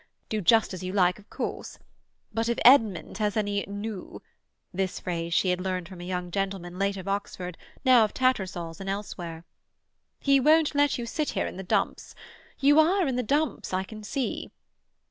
Do just as you like, of course. But if Edmund has any nous"—this phrase she had learnt from a young gentleman, late of Oxford, now of Tattersall's and elsewhere—"he won't let you sit here in the dumps. You are in the dumps, I can see."